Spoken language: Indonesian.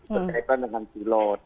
berkaitan dengan pilot